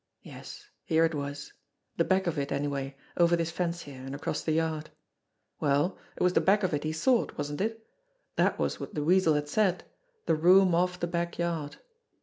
Yes, here it was the back of it, anyway, over this fence here, and across the yard. Well, it was the back of it he sought, wasn't it? That was what the Weasel had said the room off the back yard.